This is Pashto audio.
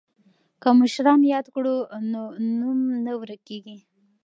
که مشران یاد کړو نو نوم نه ورکيږي.